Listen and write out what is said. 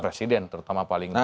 presiden terutama paling depan